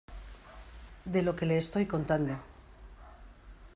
de lo que le estoy contando